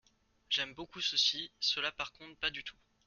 J’aime beaucoup ceux-ci, ceux-là par contre pas du tout.